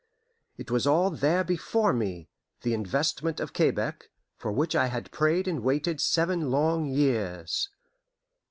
It was all there before me, the investment of Quebec, for which I had prayed and waited seven long years.